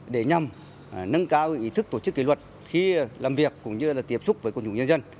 để nhằm nâng cao ý thức tổ chức kỷ luật khi làm việc cũng như tiếp xúc với cộng đồng nhân dân